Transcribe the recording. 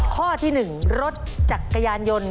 ข้อที่๑รถจักรยานยนต์